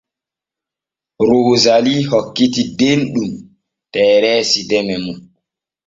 Roosali hokkitii Denɗum Tereesi teme mum.